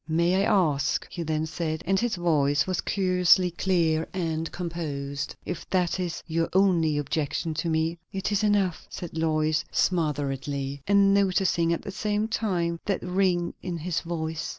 "May I ask," he then said, and his voice was curiously clear and composed, "if that is your only objection to me?" "It is enough!" said Lois smotheredly, and noticing at the same time that ring in his voice.